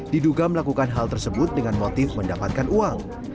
diduga melakukan hal tersebut dengan motif mendapatkan uang